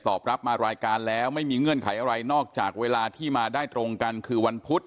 รับมารายการแล้วไม่มีเงื่อนไขอะไรนอกจากเวลาที่มาได้ตรงกันคือวันพุธ